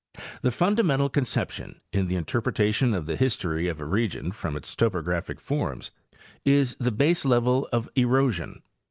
The fundamental conception, in the interpretation of the his tory of a region from its topographic forms, is the baselevel of erosion.